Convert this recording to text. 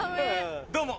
どうも。